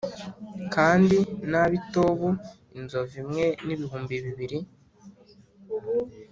kandi n’ab’i Tobu inzovu imwe n’ibihumbi bibiri.